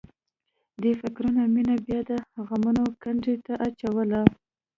دې فکرونو مينه بیا د غمونو کندې ته اچوله